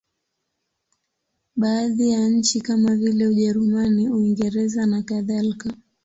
Baadhi ya nchi kama vile Ujerumani, Uingereza nakadhalika.